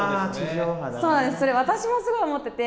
私もすごい思ってて。